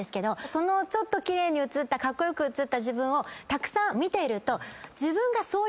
その奇麗に写ったカッコ良く写った自分をたくさん見てると。